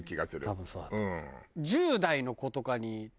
多分そうだと思う。